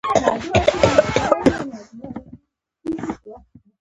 زلیخاوې ړندې شوي مړې ډیوې دي